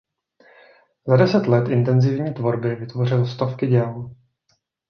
Za deset let intenzívní tvorby vytvořil stovky děl.